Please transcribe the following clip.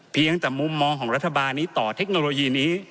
เพียงแต่มุมมองของรัฐบาลนี้ต่อเทคโนโลยีนี้